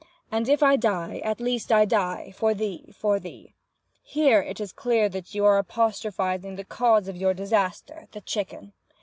'And if I die, at least I die—for thee—for thee!' Here it is clear that you are apostrophizing the cause of your disaster, the chicken.